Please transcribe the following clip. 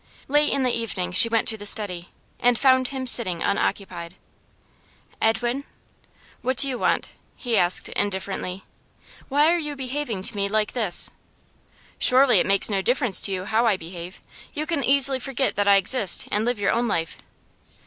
Late in the evening she went to the study, and found him sitting unoccupied. 'Edwin ' 'What do you want?' he asked indifferently. 'Why are you behaving to me like this?' 'Surely it makes no difference to you how I behave? You can easily forget that I exist, and live your own life.